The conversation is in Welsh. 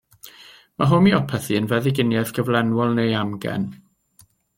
Mae homeopathi yn feddyginiaeth gyflenwol neu amgen.